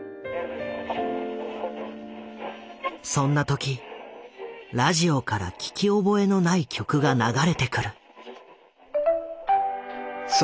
そんな時ラジオから聞き覚えのない曲が流れてくる。